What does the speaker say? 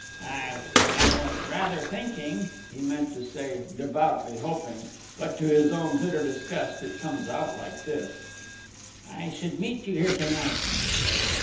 I I was rather thinking (he meant to say, "devoutly hoping," but, to his own bitter disgust, it comes out like this) I should meet you here to night.